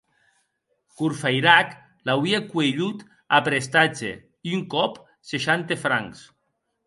Courfeyrac l’auie cuelhut a prestatge, un còp, seishanta francs.